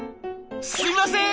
「すいません